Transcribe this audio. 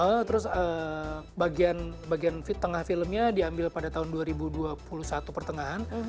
oh terus bagian tengah filmnya diambil pada tahun dua ribu dua puluh satu pertengahan